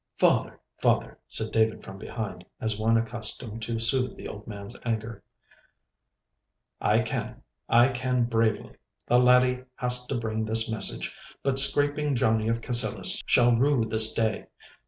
'Father, father,' said David from behind, as one accustomed to soothe the old man's anger. 'I ken—I ken bravely. The laddie has to bring his message, but Scraping Johnny of Cassillis shall rue this day.